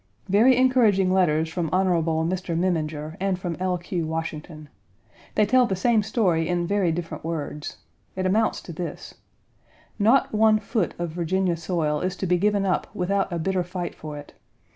Very encouraging letters from Hon. Mr. Memminger and from L. Q. Washington. They tell the same story in very different words. It amounts to this: "Not one foot of Virginia soil is to be given up without a bitter fight for it.